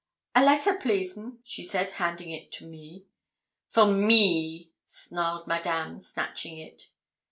'A letter, please, 'm,' she said, handing it to me. 'For me,' snarled Madame, snatching it.